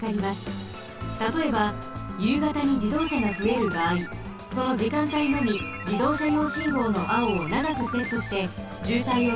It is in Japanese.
たとえばゆうがたにじどうしゃがふえるばあいそのじかんたいのみじどうしゃよう信号のあおをながくセットしてじゅうたいをさけることができます。